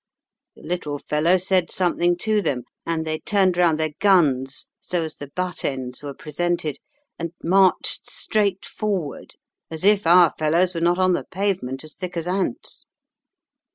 The little fellow said something to them; and they turned round their guns so as the butt ends were presented, and marched straight forward, as if our fellows were not on the pavement as thick as ants.